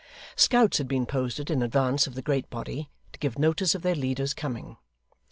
Scouts had been posted in advance of the great body, to give notice of their leader's coming.